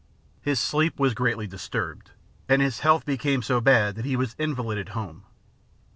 His sleep was greatly dis turbedy and his health became so bad that he was invalided home.